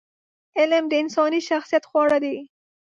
علم د انساني شخصیت خواړه دي.